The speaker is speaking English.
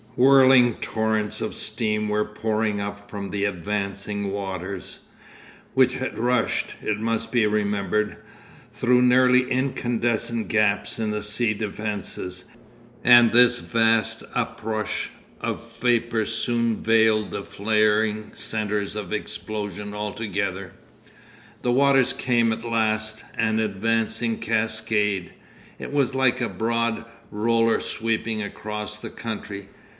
Whirling torrents of steam were pouring up from the advancing waters, which had rushed, it must be remembered, through nearly incandescent gaps in the sea defences, and this vast uprush of vapour soon veiled the flaring centres of explosion altogether. 'The waters came at last, an advancing cascade. It was like a broad roller sweeping across the country.